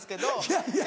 いやいや。